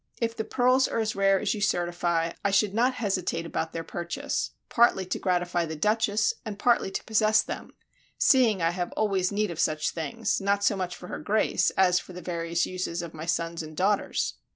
If the pearls are as rare as you certify, I should not hesitate about their purchase; partly to gratify the Duchess and partly to possess them, seeing I have always need of such things, not so much for her Grace as for the various uses of my sons and daughters."